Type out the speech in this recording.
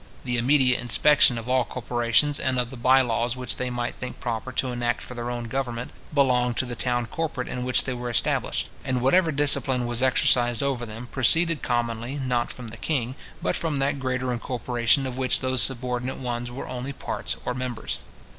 The immediate inspection of all corporations, and of the bye laws which they might think proper to enact for their own government, belonged to the town corporate in which they were established; and whatever discipline was exercised over them, proceeded commonly, not from the king, but from that greater incorporation of which those subordinate ones were only parts or members.